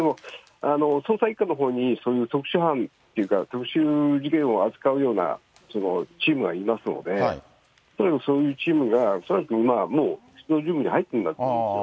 捜査１課のほうにそういう特殊はんっていうか、特殊事件を扱うようなチームがいますので、とにかくそういうチームが恐らく準備入っていると思うんですよ。